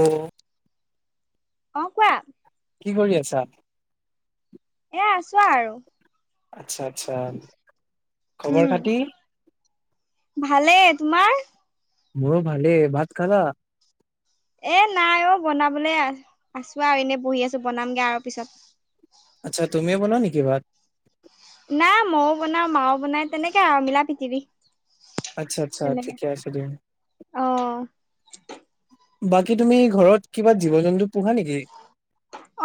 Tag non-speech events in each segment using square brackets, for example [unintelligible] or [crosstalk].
অ অ কোৱা কি কৰি আছা এ আছোৱা আৰু আচ্ছা আচ্ছা খবৰ খাতি? উম ভালে তোমাৰ মোৰো ভালে ভাত খালা। এ নাই অ বনাবলৈ আছো আৰু এনে বহি আছো বনামগে আৰু পিছত আচ্ছা তুমি বল নে কি ভাত? নাই ময়ও বনাও মাও বনাই তেনেকে আৰু মিলা পিতিৱবি আচ্ছা আচ্ছা আচ্ছা ক আছে দেম অ বাকী তুমি ঘৰত কিবা জীৱ জন্তু পোহা নেকি?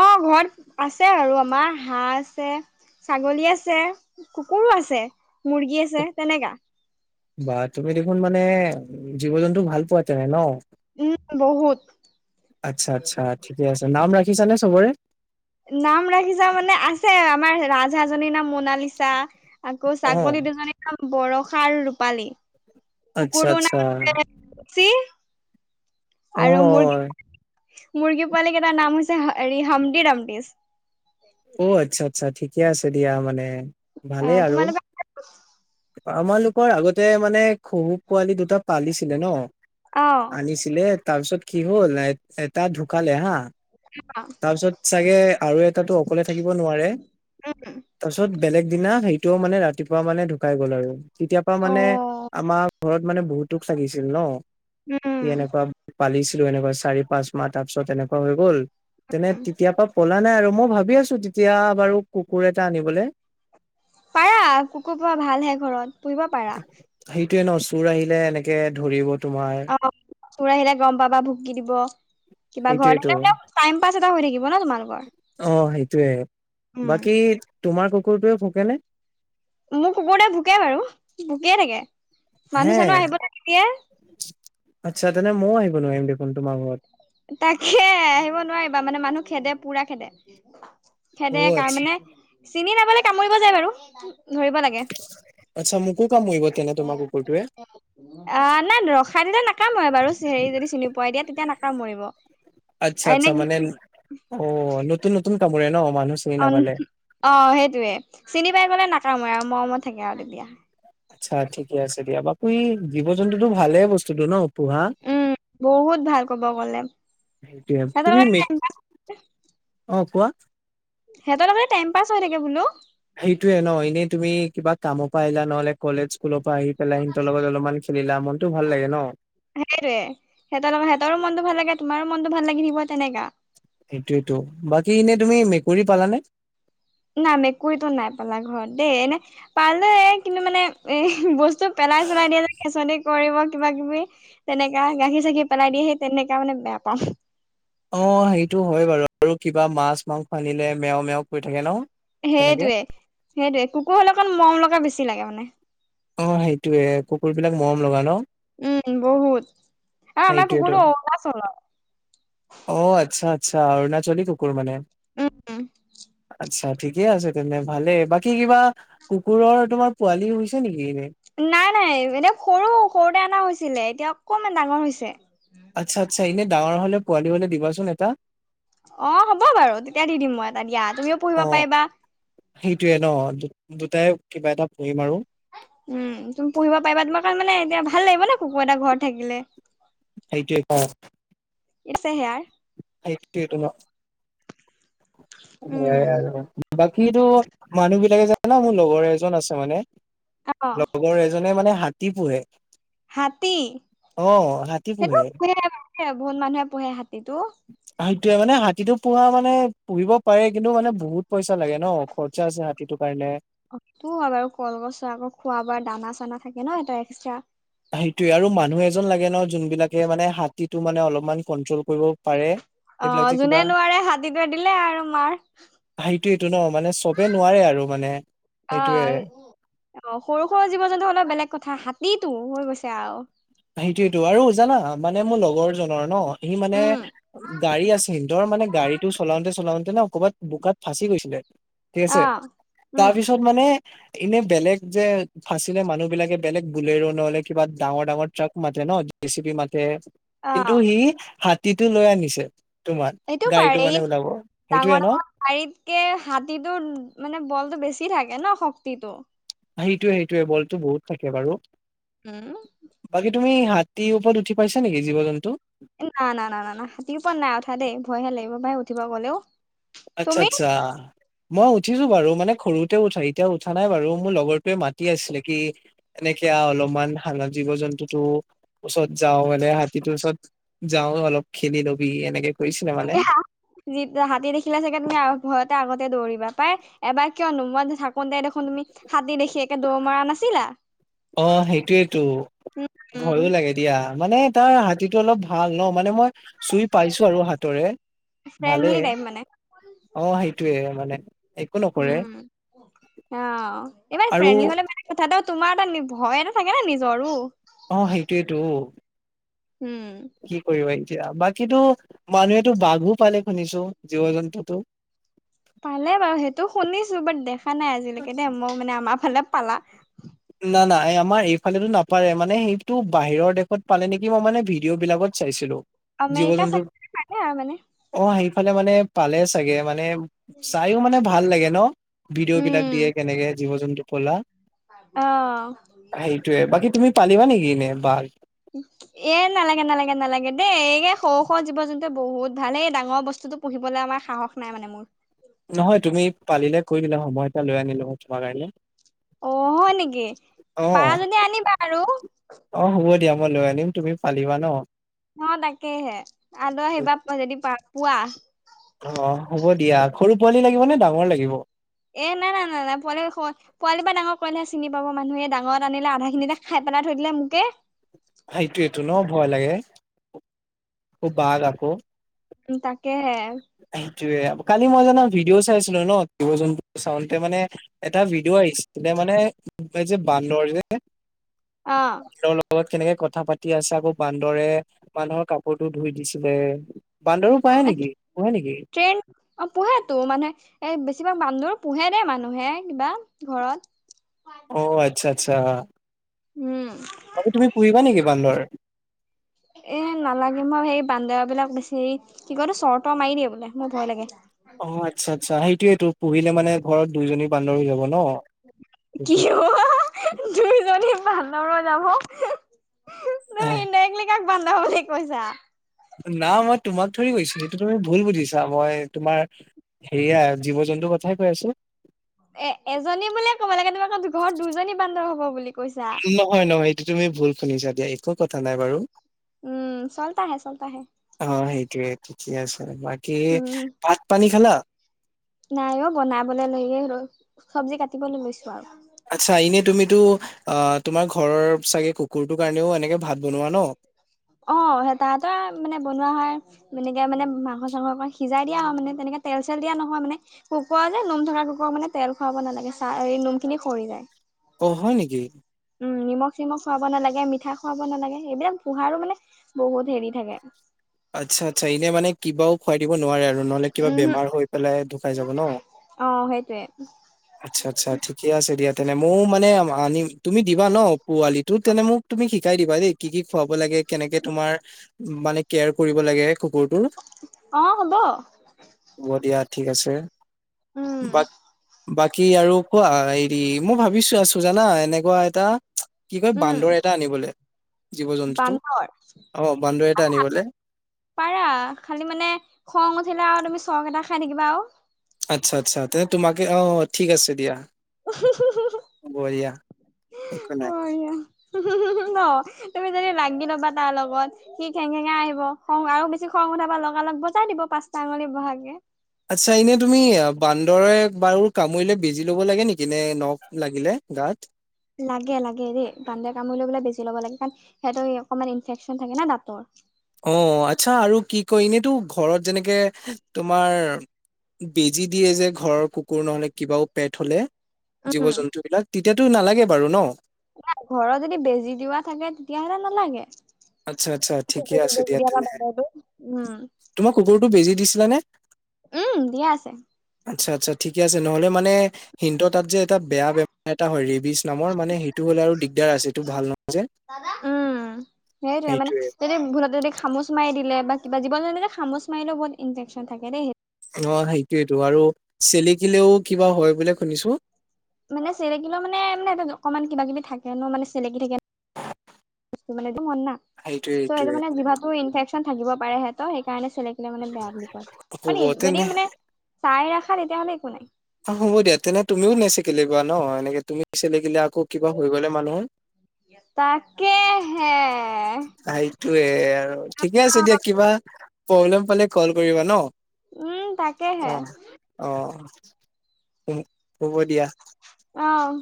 অ ঘৰত আছে আৰু আমাৰ হাঁহ আছে ছাগলী আছে কুকুৰো আছে। মুৰ্গী আছে তেনেকা খন মানে জীৱ জন্তু ভাল পোৱাতেনে ন উম বহুত আচ্ছা আচ্ছা ঠিকে আছে, নাম ৰাখিছানে চবৰে। নাম ৰাখিছা মানে আছে আমাৰ ৰাজাজীৰ নাম ম। সোণালী চাহ আকৌ অ', ছাগলী দুজনী খাম বৰষা আৰু ৰূপালী আচ্ছা আচ্ছা। কি? আৰু মোৰ। অ', মুৰ্গী পোৱালীক কেইটাৰ নাম হৈছে হেৰি হমডি ৰামডিচ অ আচ্ছা আচ্ছা ঠিকে আছে দিয়া মানে ভালেই অ' আৰু। তোমালোকে আমাৰলোকৰ আগতে মানে খহু পোৱালি দুটা পালিছিলে ন অ' আনিছিলে তাৰ পিছত কি হ'ল এটা ঢুকালে হা, তাৰপিছত চাগে আৰু এ। টো অকলে থাকিব নোৱাৰে, তাৰপাছত বেলেগ দিনা সেইটোও মানে ৰাতিপুৱা মানে পাই গ'ল আৰু তেতিয়া পৰা মানে অ' আমাৰ ঘৰত মানে বহুতোক চাগিছিল ন স উম এনেকুৱা পালিছিলো এনেকুৱা চাৰি পাঁচ মাহ তাৰ পিছত এনেকুৱা হৈ গ'ল তেনে তেতিয় পা কলা নাই আৰু, মই ভাবি আছো তেতিয়া বাৰু কুকুৰ এটা আনিবলৈ পাৰা, কুকুৰ পুৰা ভাল হে ঘৰত পুহিব পাৰা। সেইটোয়ে ন চুৰ আহিলে এনেকে ধৰিব। তোমাৰ অ তোৰ আহিলে গম পাবা ভুকি দিব। কিবা সেইটোয়েতো ঘৰতে টাইম পাছ এটা হৈ থাকিব ন তোমালোকৰ। অ সেইটোয়ে উম বাকী তোমাৰ কুকুৰটোৱে ভকেনে? মোক কুকুৰতে ভোকে বাৰু, ভোকিয়ে থাকে হে মানুহ চানুহ আহিবে। আচ্ছা তেনে ময়ও আহিব নোৱাৰিম দেখোন তোমাৰ ঘৰত। তাকে আহিব নোৱাৰিবা, মানে মানুহ খেদে পুৰা খেদে। অ খেদেকা আচ্ছা মানে চিনি নাবলে কামুৰিব যায় বাৰু ধৰিব লাগে' আচ্ছা মোকো কামৰি। অঁ নাই ৰখাই দিলে নাকামোৰে বাৰু হেৰি যদি চিনি পোৱাই দিয়া তেতিয়া নাকাম। কামৰিব। আচ্ছা আচ্ছা, মানে অ নতুন নতুন কামোৰে ন। মানুহ চিনি অঁ নাপালে অঁ, সেইটোৱে য়ে চিনি পাই গলে নাকামই আৰু মৰমত থাকে আৰু তেতিয়া। আচ্ছা ঠিকে আছে দিয়া, বাপু ই জীৱ জন্তুতো ভালে বস্তুতটো ন পোহা। উম বহুত ভাল কব গলে সিহৰ। অঁ কোৱা? সিহঁতৰ টাইম পাছ হৈ থাকে বোলো। সেইটোয়ে ন এনেই তুমি কিবা কামৰ পৰা আহিলা নহলে কলেজ স্কুলৰ পৰা আহি পেলাই সিহতৰ লগত অলপমান খেলিলাম। সেইটয়ে সিহতৰ লগত। সিহঁতৰো মনতটো ভাল লাগে তোমাৰো মনতটো ভাল লাগি থিব তেনেকা। সেইটোৱে বাকী এনেই তুমি মেকুৰী পালানে? ন মেকুৰীতো নাই পালা ঘৰত দেই, এনে পালোৱে কিন্তু মানে এ বস্তু। পেলাই চেলাই দিয়ে খচক। কৰিব কিবা কিবি, তেনেকা গাখীৰ চাখি পেলাই দিয়ে সেই তেনেককা মানে বেয়া পাাম। অঁ সেইটোৱেই হয় বাৰু, আৰু কিবা মাছ মাংস আনিলে মেও মেও কৰি থাকে ন? কেনেকে সেইটয়ে সেইটয়ে, কুকুৰ হলে অকণ মৰম লগা বেছি লাগে মানে। অঁ সেইটোয়ে কুকুৰ বিলাক মৰম লগা ন। উম বহুত আমাৰ কুকুৰটো অৰুণাচলৰ। অঁ, আচ্ছা আচ্ছা অৰুণাচলী কুকুৰ মানে। উম। আচ্ছা ঠিকে আছে তেনে ভালে, বাকী কিবা কুকুৰৰ তোমাৰ পোৱালি হৈছে নেকি এনে নাই নাই এনে সৰু সৰুতে অনা হৈছিলে এতিয়া অকণমান ডাঙৰ হৈছে। আচ্ছা আচ্ছা, এনে ডাঙৰ হলে পোৱালি হলে দিবাচোন এটা। অ' হ'ব বাৰু তেতিয়া দি দিম মই এটা দিয়া তুমিও অ পঢ়িব পাৰিবা। সেইটোয়ে ন দু দুটাই কিবা এটা পঢ়িম আৰু উম তুমি পঢ়িব পাৰিবা তোমাৰ কাৰণ মানে এতিয়া ভাল লাগিব ন কুকুৰ এটা ঘৰত থাকিলে সেইটোৱে ক এছে হেয়াৰ হক ন সয়াই আৰু বাকী মানুহ বিলাকে জানা মোৰ লগৰ এজন আছে মানে অ' লগৰ এজনে মানে হাতী পোহে হাতী অ হাতী সেইটো পোহে পু বহুত মানুহে পোহে হাতী সেইটোৱেই মানে হাতীটো পোহা মানে পুহিব পাৰে কিন্তু মানে বহুত পইচা লাগে ন খৰচা আছে হাতীটো কাৰণে অ প হয় বাৰু কলগছৰ আকৌ খোৱা বোৱা দানা চানা থাকে ন এ এক্সট্ৰা সেইটোয়ে আৰু মানুহ এজন লাগে ন যোন বিলাকে মানে হাতীটো মানে অলপমান কন্ট্ৰল কৰিব পাৰে সেইবিলাক অঁ যে কিবা যোনে নোৱাৰে হাতীটোৱে দিলে আৰু মাৰ সেইটো এইটো ন মানে চবে নোৱাৰে আৰু মানে অ সেইটোয়ে অ সৰু সৰু জীৱ জন্তু হলে বেলেগ কথা হাতীটো হৈ গৈছে আৰু সেইটোয়েতো আৰু জানা মানে মোৰ লগৰ জনৰ ন সি মানে গাড়ী আছে হিহঁতৰ মানে গাড়ীটো চলাওঁতে চলাওঁতে ন ক'বাত বোকাত ফাঁচি গৈছিলে ঠিক আছে অ তাৰ পিছত মানে এনে বেলেগ যে ফাঁচিলে মানুহ বিলাকে বেলেগ বুলে'ৰ নহলে কিবা ডাঙৰ ডাঙৰ ট্ৰাক মাতে ন ডি চি পি মাতে অ কিন্তু সি হাতীটো লৈ আনিছে তোমাৰ এইটো গাড়ীটো পাৰি মানে ওলাব সেইটোয়ে ডাঙৰ ন ডাঙৰ শাৰীতকে হাতীটো মানে বলটো বেছি থাকে ন শক্তিটো সেইটোয়ে সেইটোৱে বলটো বহুত থাকে বাৰু হম বাকী তুমি হাতীৰ ওপৰত উঠি পাইছা নেকি জীৱ জন্তু না না না না না হাতীৰ উপৰত নাই উঠা দেই ভয়হে লাগিব ভাই উঠিব গ'লেও আচ্ছা তুমি আচ্ছা মই উঠিছো বাৰু মানে সৰুতে উঠাই এতিয়া উঠা নাই বাৰু মোৰ লগৰটোৱে মাতি আছিলে কি এনেকে এতিয়া অলপমান জীৱ জন্তুটো ওচৰত যাওঁ মানে হাতীটোৰ ওচৰত যাওঁ অলপ খেলিলো হাতী দেখি দেখিলা চাগে তুমি ঘৰতে আগতে দৌৰিবা পাই এবাৰ কিয়নো মই থাকোতে দেখোন তুমি হাতী দেখি একে দৌৰ মৰা নাছিলা অ সেইটোয়েইতো উম উম ভয়ো লাগে দিয়া মানে তাৰ হাতীটো অলপ ভাল ন মানে মই চুই পাইছো আৰু হাতৰে ফ্ৰেণ্ডলি ভালেই টাইপ মানে অ সেইটোয়ে মানে একো নকৰে উম অ ইমান আৰু ফ্ৰেণ্ডলি হলে মানে কথাতো তোমাৰ এটা ভয় এটা থাকে না নিজৰো অ সেইটোয়েইটো উম কি কৰিবা এতিয়া বাকীটো মানুহেতো বাঘো পালে শুনিছো জীৱ জন্তুতো পালে বাৰু সেইটো শুনিছো বাট দেখা নাই আজিলৈকে দে মই মানে আমাৰ ফালে পালা নাই নাই আমাৰ এইফালেতো নাপাৰে মানে সেইটো বাহিৰৰ দেশত পালে নেকি মই মানে ভিডিঅ' বিলাকত চাইছিলো জীৱ আমেৰিকা জন্তু চাই পালে আৰু মানে অ সেইফালে মানে পালে চাগে মানে চাইও মানে ভাল লাগে ন ভিডিঅ' বিলাক দিয়ে উম কেনেকে জীৱ জন্তু পলা অ সেইটোয়ে বাকী তুমি পালিবা নেকি এনে বাৰ এ নালাগে নালাগে নালাগে দেই এই সৰু সৰু জীৱ জন্তুে বহুত ভাল এই ডাঙৰ বস্তু বস্তুটো পুঢ়িবলৈ আমাৰ সাহস নাই মানে মোৰ নহয় তুমি পালিলে কৈ দিলা হয় মই এটা লৈ আনিলো হয় তোমাৰ কাৰণে। অহ, হয় নেকি অ পাৰা যদি আনিবা বাৰু। অ হ'ব দিয়া মই লৈ আনিম তুমি পালিবা ন'? ন' তাকেহে আ লৈ আহিবা যদি পোৱা। অহ, হ'ব দিয়া সৰু -পোৱালি লাগিব নে ডাঙৰ লাগিব? এ নাই -নাই -নাই- নাই পোৱালি -পোৱালিৰ পৰা ডাঙৰ কৰিলেহে চিনি পাব মানুহে ডাঙৰত আনিলে আধা খিনিতে খা বনাই থৈ দিলে মোকে সেইটোৱেইটো ন'ভয় লাগে অহ, বাঘ আকৌ তাকেহে কালি মই জানা ভিডিঅ' চাইছিলো ন'জীৱ- জন্তু চাওঁতে মানে এটা ভিডিঅ' আহিছিল মানে এই যে বান্দৰ যে [inaudible] অ বান্দৰ লগত কেনেকে কথ কথা -পাতি আছে আকৌ বান্দৰে মানুহৰ কাপোৰটো ধুই দিছিলে। বান্দৰো পায় নেকি [unintelligible] পোহে নেকি ট্ৰেইন অ' পোহাটো মানে এ বেছি ভাগ বান্দৰ পোহে দেই মানুহে কিবা ঘৰত। অহ, আচ্ছা -আচ্ছা। উম বাকি তুমি পুহিবা নেকি বান্দৰ? এ' নালাগে মই সেই বান্দৰ বিলাক বেছি কি কয়তো চৰ - তৰ মাৰি দিয়ে বোলে মোৰ ভয় লাগে। অহ, আচ্ছা -আচ্ছা সেইটোয়ে তো পুহিলে মানে ঘৰত দুইজনী বান্দৰ হৈ যাব ন [inaudible] সেইটো কিহ দুইজনী ভাল [unintelligible] এহ বন্ধ হ'ব বুলি কৈছা? না মই তোমাক ধৰি গৈছো সেইটো তুমি ভুল বুজিছা মই তোমাৰ হেৰিয়া জীৱ - জন্তু কিন্তু কথাই কৈ আছো। এ -এজনী বুলিয়ে ক'ব লাগে তোমাৰ আকৌ ঘৰত দুজনী বান্দৰ হ'ব বুলি কৈছা নহয় -নহয় এইটো তুমি ভুল শুনিছা দিয়া একো কথা নাই বাৰু উম, চল্তা হে -চল্তা হে। অ সেইটোয়ে ঠিকে আছে বাকী ভাত -পানী খালা? নাই অ'বনাবলে লেয়ে ৰল চব্জি কাটিবলৈ লৈছো। আৰু আচ্ছা এনে তুমিতো অ'তোমাৰ ঘৰৰ চাগে কুকুৰটোৰ কাৰণেও এনেকে ভাত বনোৱা ন'? অহ, তাহতৰ মানে বনোৱা হয় মনেকে মানে মাংস -চাংস অকণ সিজাই দিয়া আৰু মানে তেনেকে তেল - চেল দিয়া নহয় মানে কুকুৰৰ যে নোম থকা কুকুৰক মানে তেল খুৱাব নালাগে চা এই নোম খিনি সৰি যায়। অহ, হয় নেকি? উম। নিমখ- চিমখ খুৱাব নালাগে, মিঠাই খুৱাব নালাগে এইবিলাক পোহাৰো মানে বহুত হেৰি থাকে। আচ্ছা -আচ্ছা এনে মানে কিবাও খুৱাই দিব নোৱাৰে আৰু। নহলে কিবা উমহো বেমাৰ হৈ পেলাই ঢুকাই যাব ন'? অ' সেইটোৱে আচ্ছা -আচ্ছা ঠিকে আছে দিয়া। তেনে ময়ও মানে আনিম তুমি দিবা ন পোৱালিটো তেনে মোক তুমি শিকাই দিবা দেই কি- কি খুৱাব লাগে। কেনেকে তোমাৰ মানে কেয়াৰ কৰিব লাগে কুকুৰটো, অ' হ'ব হ'ব দিয়া ঠিক আছে। উম বট বাকী আৰু কোৱা হেৰি মই ভাবিছো আছো জানা এনেকুৱা এটা কি কয় উম বান্দৰ এটা আনিবলে। জীৱ জন্তুটো বান্দৰ? অ বান্দৰ এটা আনিবলে [inaudible] পাৰা খালি মানে খং উঠিলে আৰু তুমি চৰ কেতা খাই থাকিবা আৰু। আচ্ছা -আচ্ছা তেনে তোমাকে অহ ঠিক আছে দিয়া। বঢ়িয়া একো নাই। বঢ়িয়া [unintelligible] ন'। তুমি যদি লাগি ল'বা তাৰ লগত সি খেং খেঙা আহিব খং আৰু বেছি খং উঠাবা লগাল লগ বজাই দিব পাচঁ। [unintelligible] চাঙলী বহাগে। আচ্ছা এনে তুমি বান্দৰে। বাৰু কামুৰিলে বেজি ল'ব লাগে নেকি নে নখ লাগিলে গাত। লাগে লাগে দেই বান্দৰে কামুৰিলে বোলে বেজি ল'ব লাগে কাৰণ সিহত অকণমান ইনফেকশ্যন থাকে না দাঁতৰ। [unintelligible] অ আচ্ছা আৰু কি কয় এনেইতো ঘৰত যেনেকে তোমাৰ। বেজি দিয়ে যে ঘৰৰ কুকুৰ নহলে কিবাও পেট হলে। জীৱ উম জন্তু বিলাক তেতিয়াতো নালাগে বাৰু ন। নাই ঘৰত যদি বেজি দিয়া থাকে তেতিয়াাহলে নালাগে। আচ্ছা আচ্ছা ঠিকে কুকুৰটোক আছে বেজি দিয়া বা তেনে বান্দৰটোক উম তোমাৰ কুকুৰটো বেজি দিছিলা নে। উম দিয়া আছে। আচ্ছা আচ্ছা ঠিকে আছে নহ'লে মানে হিটো তাত যে। এটা বেয়া বেমাৰ এটা হয় ৰেবিচ নামৰ মানে সেইটো হ'লে আৰু দিগদাৰ আছে এইটো ভাল নহয় যে। উম সেইটয়ে মানে সেইটোয়ে যদি ভুলতে যদি খামোচ মাৰি। দিলে বা কিবা জীৱ -জন্তুৱে খামোছ মাৰিলেও বহুত ইনফ্ৰেক্সন থাকে দেই। সেইট্‌ [unintelligible] অঁ, সেইতোয়েটো আৰু চেলেকিলেও কিবা হ'য় বুলিয়ে শুনিছো। মানে, চেলেকিলো মানে, মানে অকমান কিবা কিবি থাকে ন'। মানে চেলেকি থাকে মানে [unintelligible] কমন না। চ' সেইটোয়ে সেইটো সেইটোয়ে কাৰনে জিভাতো ইনফেক্সন থাকিব পাৰে হেঁত। সেই কাৰনে চেলে [unintelligible] কিলে মানে বেয়া বুলি কয়। হ'ব মানে, যদি তেনে মানে টাই ৰাখা তেতিয়া হ'লে একো নাই। অঁ হ'ব দিয়া। তেনে তুমিও নেচেকেলিবা ন'। এনেকে তুমি চে লেকিলে আকৌ কিবা হৈ গ'লে মানুহৰ তাকেহে। সেইটোৱে আৰু ঠিকে আছে দিয়া। কিবা প্ৰব্লেম পালে কল কৰিবা ন'? উম তাকেহে অঁ অঁ উম, হ'ব দিয়া। অঁ